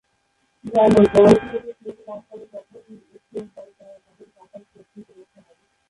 যাইহোক, জয়ন্তী তাদের স্নেহ লাভ করে যখন সে তাদের কাকার ক্রোধ থেকে রক্ষা করে।